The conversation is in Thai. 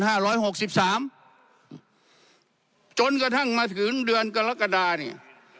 ร้อยหกสิบสามจนกระทั่งมาถึงเดือนกรกฎาเนี่ย